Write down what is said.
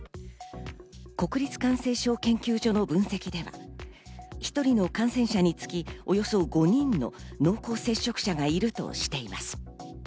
国立感染症研究所の分析では、１人の感染者につき、およそ５人の濃厚接触者がいるとしています。